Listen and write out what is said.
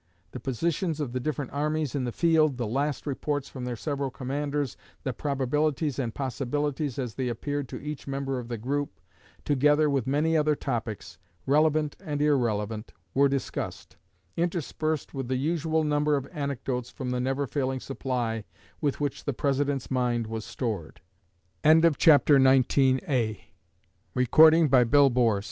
The positions of the different armies in the field, the last reports from their several commanders, the probabilities and possibilities as they appeared to each member of the group, together with many other topics, relevant and irrelevant, were discussed, interspersed with the usual number of anecdotes from the never failing supply with which the President's mind was stored. It was a most interesting study to see these men relieved